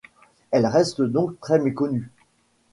Elle reste donc très méconnue.